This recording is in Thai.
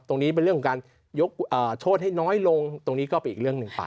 ตรงนี้เป็นเรื่องของการยกโทษให้น้อยลงตรงนี้ก็เป็นอีกเรื่องหนึ่งไป